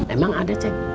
emang ada cik